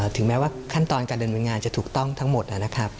ถึงแม้ว่าขั้นตอนการเดินงานจะถูกต้องทั้งหมดนะครับ